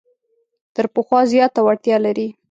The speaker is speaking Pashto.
تر پخوا زیاته وړتیا لري.